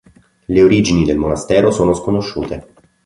Le origini del monastero sono sconosciute.